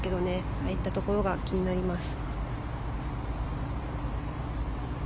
入ったところが気になります。